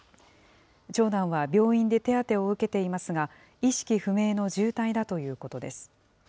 長男は病院で手当てを受けていますが、意識不明の重体だということです。